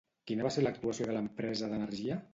Quina va ser l'actuació de l'empresa d'energia?